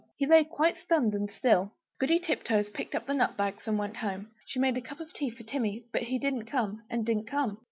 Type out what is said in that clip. He lay quite stunned and still. Goody Tiptoes picked up the nut bags and went home. She made a cup of tea for Timmy; but he didn't come and didn't come.